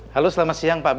halo selamat siang pak